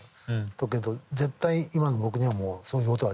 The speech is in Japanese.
だけど絶対今の僕にはもうそういう音は出ないし。